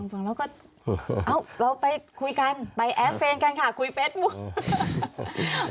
ฟังแล้วก็เราไปคุยกันไปแอฟเฟนกันค่ะคุยเฟสบุ๊ค